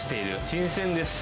新鮮です。